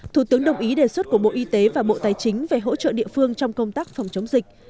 thủ tướng đồng ý đề xuất của bộ y tế và bộ tài chính về hỗ trợ địa phương trong công tác phòng chống dịch